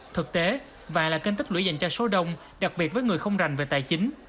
thực tế vàng là kênh tích lũy dành cho số đông đặc biệt với người không rành về tài chính